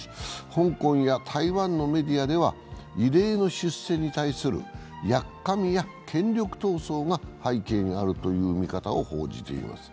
香港や台湾のメディアでは異例の出世に対するやっかみや権力闘争が背景にあるという見方を報じています。